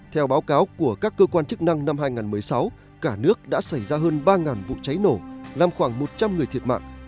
theo báo cáo của các cơ quan chức năng năm hai nghìn một mươi sáu cả nước đã xảy ra hơn ba vụ cháy nổ làm khoảng một trăm linh người thiệt mạng